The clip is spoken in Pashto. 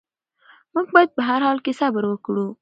موږ باید په هر حال کې صبر وکړو.